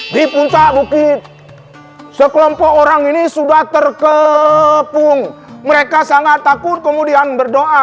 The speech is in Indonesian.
di puncak bukit sekelompok orang ini sudah terkepung mereka sangat takut kemudian berdoa